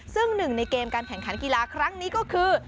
ซึ่งหนึ่งในเกมการแข่งขันกีฬาครั้งนี้ก็คือ